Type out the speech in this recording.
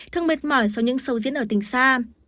thường mệt mỏi sau những sâu diễn ở tình xa